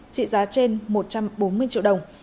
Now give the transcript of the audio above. trị giá trên một trăm bốn mươi triệu đồng